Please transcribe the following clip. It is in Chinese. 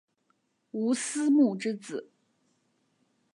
吴思穆之子。